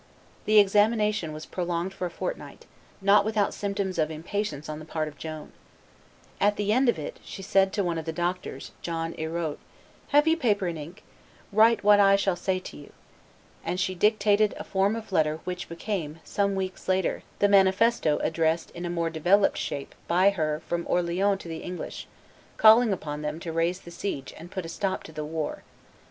The examination was prolonged for a fortnight, not without symptoms of impatience on the part of Joan. At the end of it, she said to one of the doctors, John Erault, "Have you paper and ink? Write what I shall say to you." And she dictated a form of letter which became, some weeks later, the manifesto addressed in a more developed shape by her from Orleans to the English, calling upon them to raise the siege and put a stop to the war.